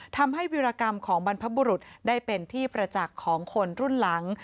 ทำให้วิรากรรมของบรรพบุรุษได้เป็นที่ประจักษ์ของคนรุ่นหลัง